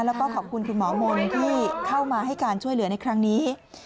แล้วก็ขอบคุณคุณหมอมนต์ที่เข้ามาให้การช่วยเหลือในครั้งนี้